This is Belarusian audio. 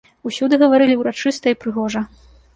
Усюды гаварылі ўрачыста і прыгожа.